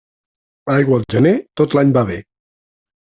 Aigua al gener, tot l'any va bé.